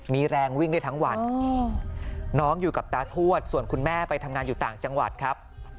มีแรงวิ่งได้ทั้งวันน้องอยู่กับตาทวดส่วนคุณแม่ไปทำงานอยู่ต่างจังหวัดครับ